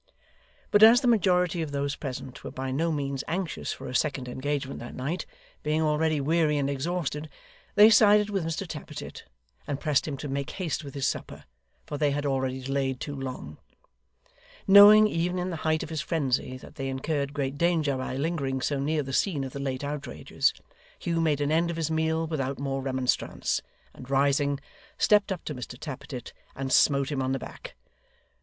But as the majority of those present were by no means anxious for a second engagement that night, being already weary and exhausted, they sided with Mr Tappertit, and pressed him to make haste with his supper, for they had already delayed too long. Knowing, even in the height of his frenzy, that they incurred great danger by lingering so near the scene of the late outrages, Hugh made an end of his meal without more remonstrance, and rising, stepped up to Mr Tappertit, and smote him on the back.